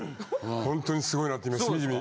ホントにすごいなって今しみじみ。